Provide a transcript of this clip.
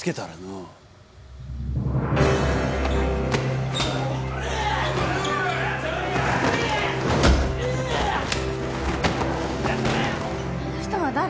あの人は誰？